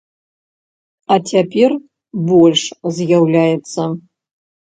А цяпер больш з'яўляецца.